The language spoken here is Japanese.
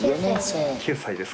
９歳です。